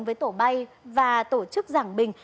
với tổ bay và tổ chức giảng bình